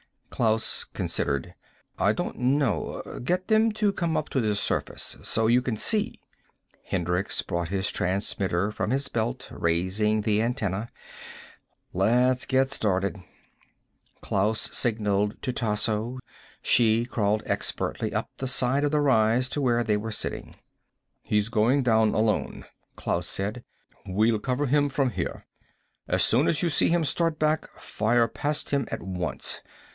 Klaus considered. "I don't know. Get them to come up to the surface. So you can see." Hendricks brought his transmitter from his belt, raising the antenna. "Let's get started." Klaus signalled to Tasso. She crawled expertly up the side of the rise to where they were sitting. "He's going down alone," Klaus said. "We'll cover him from here. As soon as you see him start back, fire past him at once.